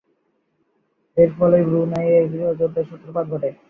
এর ফলেই ব্রুনাই এর গৃহযুদ্ধের সূত্রপাত ঘটে।